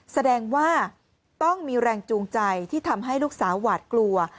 แสดงว่าต้องมีแรงจูงใจที่ทำให้ลูกสาวหวาดกลัว